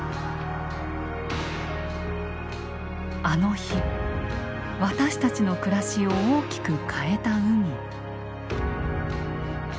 あの日私たちの暮らしを大きく変えた海。